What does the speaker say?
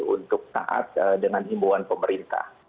untuk taat dengan himbuan pemerintah